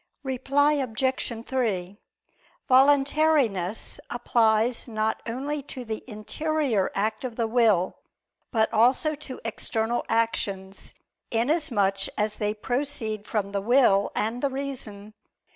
Reply Obj. 3: Voluntariness applies not only to the interior act of the will, but also to external actions, inasmuch as they proceed from the will and the reason.